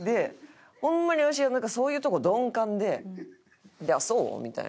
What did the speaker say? ホンマにわしはそういうとこ鈍感で「あっそう？」みたいな。